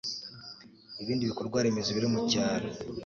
ibindi bikorwaremezo biri mu cyaro